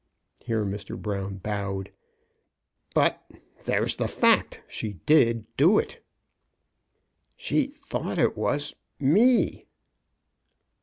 Here Mr. Brown bowed. *' But — there's the fact. She did do it.*' *' She thought it was — me